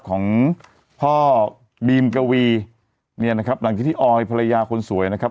ของพ่อบีมกวีเนี่ยนะครับหลังจากที่ออยภรรยาคนสวยนะครับ